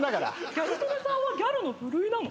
ギャル曽根さんはギャルの部類なの？